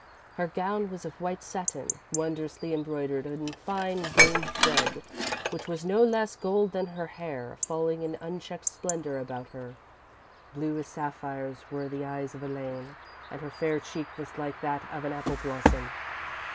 Her gown was of white satin, wondrously embroidered in fine gold thread, which was no less gold than her hair, falling in unchecked splendour about her._ _Blue as sapphires were the eyes of Elaine, and her fair cheek was like that of an apple blossom.